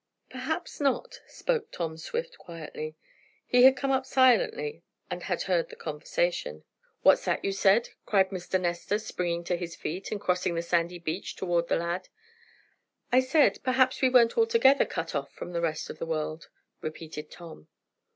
"Perhaps not," spoke Tom Swift, quietly. He had come up silently, and had heard the conversation. "What's that you said?" cried Mr. Nestor, springing to his feet, and crossing the sandy beach toward the lad. "I said perhaps we weren't altogether cut off from the rest of the world," repeated Tom.